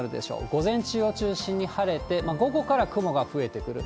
午前中を中心に晴れて、午後から雲が増えてくる。